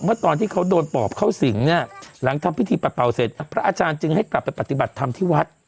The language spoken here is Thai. บอกว่าตอนที่เขาโดนปอบเข้าสิงฯน่ะหลังทำพิธีปล่าเป๋าเศษแล้วพระอาจารย์จึงให้กลับไปปฏิบัติทำที่วัฒน์